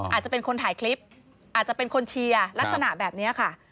อาจจะเป็นคนถ่ายคลิปอาจจะเป็นคนเชียร์ลักษณะแบบนี้ค่ะ